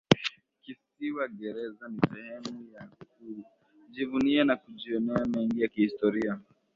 Kisiwa gereza ni sehemu ya kujivunia na kujionea mengi ya kihistoria